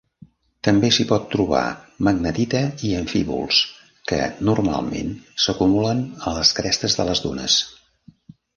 També s'hi pot trobar magnetita i amfíbols, que normalment s'acumulen a les crestes de les dunes.